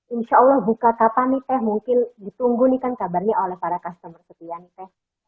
insya allah buka kapan nih teh mungkin ditunggu nih kan kabarnya oleh para customer setia nih teh